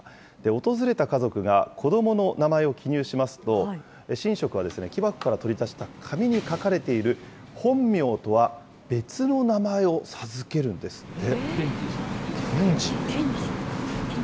訪れた家族が子どもの名前を記入しますと、神職は、木箱から取り出した紙に書かれている本名とは別の名前を授けるんですって。